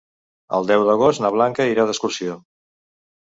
El deu d'agost na Blanca irà d'excursió.